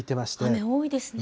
雨、多いですね。